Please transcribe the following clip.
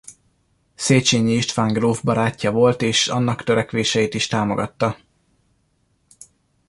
Széchenyi István gróf barátja volt és annak törekvéseit is támogatta.